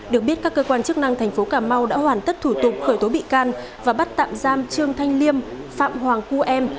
được biết các cơ quan chức năng thành phố cà mau đã hoàn tất thủ tục khởi tố bị can và bắt tạm giam trương thanh liêm phạm hoàng c em